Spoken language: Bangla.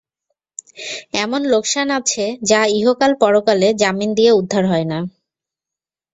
এমন লোকসান আছে যা ইহকাল-পরকালে জামিন দিয়ে উদ্ধার হয় না।